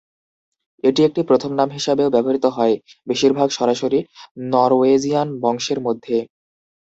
এটি একটি প্রথম নাম হিসাবেও ব্যবহৃত হয়, বেশিরভাগ সরাসরি নরওয়েজিয়ান বংশের মধ্যে।